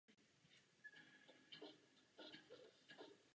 Pro tu druhé místo znamenalo první medailové umístění v závodech světového poháru.